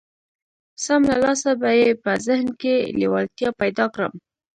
سم له لاسه به يې په ذهن کې لېوالتيا پيدا کړم.